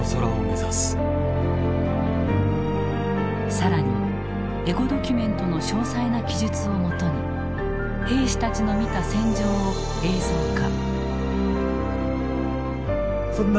更にエゴドキュメントの詳細な記述をもとに兵士たちの見た戦場を映像化。